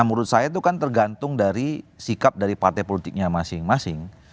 menurut saya itu kan tergantung dari sikap dari partai politiknya masing masing